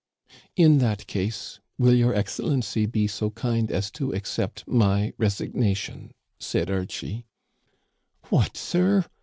In that case, will Your Excellency be so kind as to accept my resignation ?* said Archie. "*What, sir!'